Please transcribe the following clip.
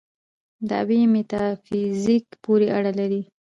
دعوې میتافیزیک پورې اړه لري.